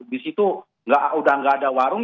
di situ enggak ada warung